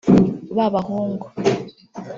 Ba bahungu